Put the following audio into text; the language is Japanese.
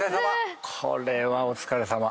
これはお疲れさま。